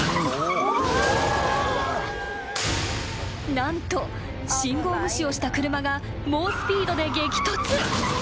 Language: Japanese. ［何と信号無視をした車が猛スピードで激突］